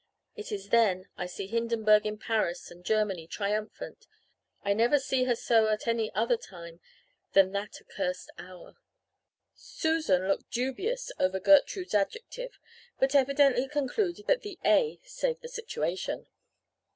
It is then I see Hindenburg in Paris and Germany triumphant. I never see her so at any other time than that accursed hour.' "Susan looked dubious over Gertrude's adjective, but evidently concluded that the 'a' saved the situation.